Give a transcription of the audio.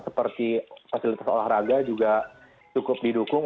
seperti fasilitas olahraga juga cukup didukung